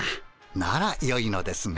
ならよいのですが。